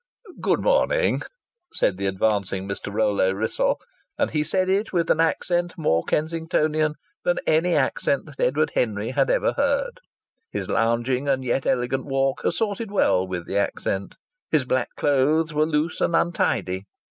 "Good morning," said the advancing Mr. Rollo Wrissell, and he said it with an accent more Kensingtonian than any accent that Edward Henry had ever heard. His lounging and yet elegant walk assorted well with the accent. His black clothes were loose and untidy.